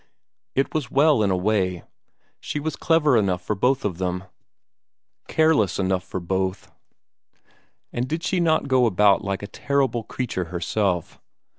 It was well in a way; she was clever enough for both of them, careless enough for both. And she did not go about like a terrible creature herself.